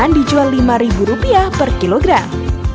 dan dijual lima rupiah per kilogram